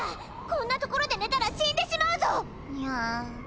こんな所で寝たら死んでしまうぞ！